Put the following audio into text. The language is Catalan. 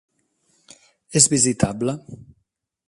És visitable.